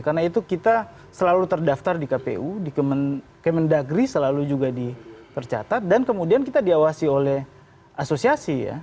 karena itu kita selalu terdaftar di kpu di kementerian negeri selalu juga dipercatat dan kemudian kita diawasi oleh asosiasi ya